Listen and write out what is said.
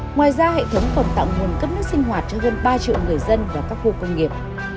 ngoài ra hệ thống còn tạo nguồn cấp nước sinh hoạt cho hơn ba triệu người dân và các khu công nghiệp